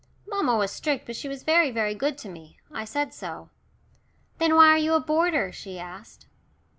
Mamma was strict, but she was very, very good to me. I said so. "Then why are you a boarder?" she asked.